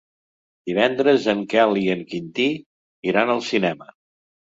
Divendres en Quel i en Quintí iran al cinema.